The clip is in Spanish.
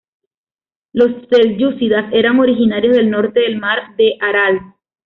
Los selyúcidas eran originarios del norte del mar de Aral.